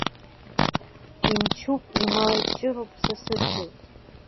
Имчуп, ималаҷырроуп са сыдгьыл…